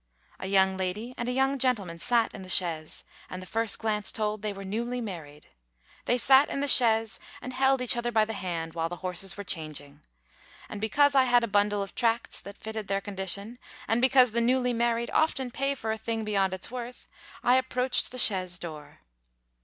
A young lady and a young gentleman sat in the chaise, and the first glance told they were newly married. They sat in the chaise, and held each other by the hand, while the horses were changing. And because I had a bundle of tracts that fitted their condition, and because the newly married often pay for a thing beyond its worth, I approached the chaise door.